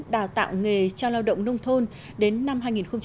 đào tạo nghề cho lao động nông thôn đến năm hai nghìn hai mươi